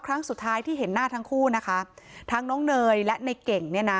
ครั้งสุดท้ายที่เห็นหน้าทั้งคู่นะคะทั้งน้องเนยและในเก่งเนี่ยนะ